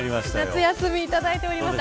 夏休みいただいておりました。